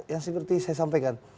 yang seperti saya sampaikan